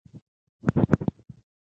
زه شکره لرم.